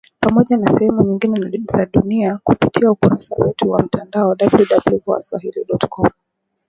Pamoja na sehemu nyingine za dunia kupitia ukurasa wetu wa mtandao wa www.voaswahili.com